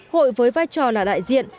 hội với vai trò là đại diện